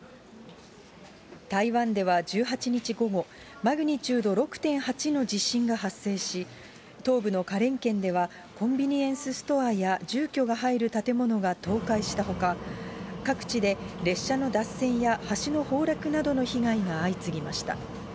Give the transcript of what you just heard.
台湾では１８日午後、マグニチュード６．８の地震が発生し、東部の花蓮県では、コンビニエンスストアや住居が入る建物が倒壊したほか、各地で列車の脱線や橋の崩落などの被害が相次ぎました。